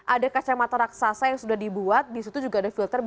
ada kacamata raksasa yang sudah dibuat disitu juga ada filter